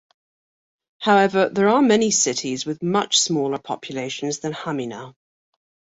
However, there are many cities with much smaller populations than Hamina.